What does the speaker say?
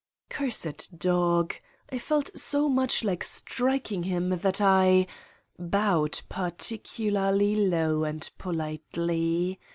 Cursed dog. I felt so much like striking him 195 Satan's Diary that I bowed particularly low and politely.